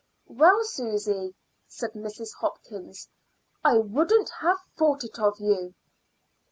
"Well, Susy," said Mrs. Hopkins, "I wouldn't have thought it of you."